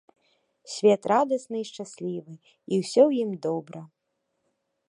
Свет радасны і шчаслівы, і ўсё ў ім добра.